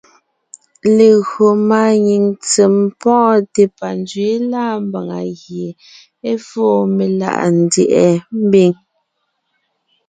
Légÿo máanyìŋ ntsèm pɔ́ɔnte panzwɛ̌ lâ mbàŋa gie é fóo meláʼa ndyɛ̀ʼɛ mbiŋ.